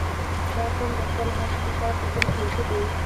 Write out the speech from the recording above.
• دا قوم د خپل حق دفاع ته تل چمتو دی.